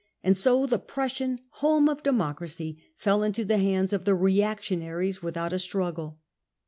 And so the Prussian " home of democracy 55 fell into the hands of the reactionaries without a struggle.